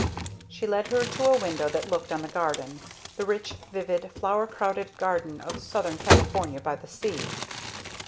She led her to a window that looked on the garden, the rich, vivid, flower crowded garden of Southern California by the sea.